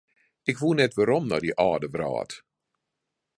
Ik woe net werom nei dy âlde wrâld.